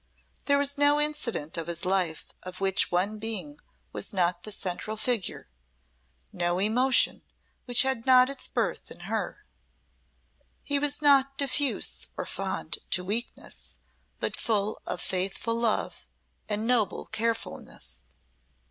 There was no incident of his life of which one being was not the central figure, no emotion which had not its birth in her. He was not diffuse or fond to weakness, but full of faithful love and noble carefulness.